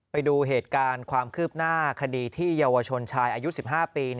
ไปดูเหตุการณ์ความคืบหน้าคดีที่เยาวชนชายอายุ๑๕ปี